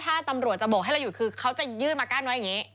ถ้าตำรวจจะโบกให้เราหยุดคือเขาจะยื่นมากั้นไว้อย่างนี้